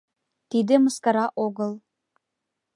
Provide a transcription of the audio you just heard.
— Тиде мыскара огыл.